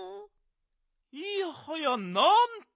いやはやなんと！